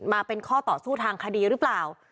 มาเป็นข้อต่อสู้ทางคดีหรือเปล่า